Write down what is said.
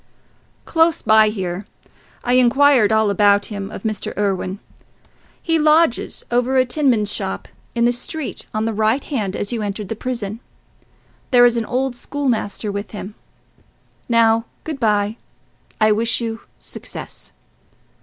"Close by here. I inquired all about him of Mr. Irwine. He lodges over a tinman's shop, in the street on the right hand as you entered the prison. There is an old school master with him. Now, good bye: I wish you success."